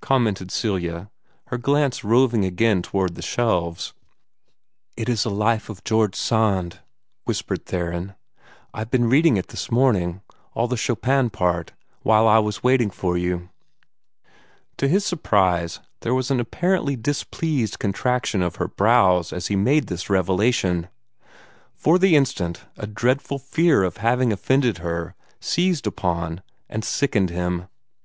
commented Celia, her glance roving again toward the shelves. "It is a life of George Sand," whispered Theron. "I've been reading it this morning all the Chopin part while I was waiting for you." To his surprise, there was an apparently displeased contraction of her brows as he made this revelation. For the instant, a dreadful fear of having offended her seized upon and sickened him.